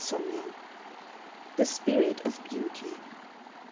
109 THE SPIRIT OF BEAUTY.